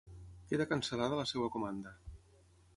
Queda cancel·lada la seva comanda.